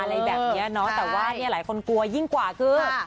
อะไรแบบนี้เนาะแต่ว่าเนี่ยหลายคนกลัวยิ่งกว่าคือ